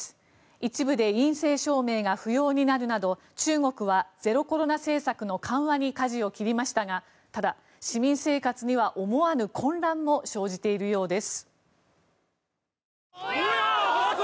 一部で陰性証明が不要になるなど中国はゼロコロナ政策の緩和にかじを切りましたがただ、市民生活には思わぬ混乱も生じているようです。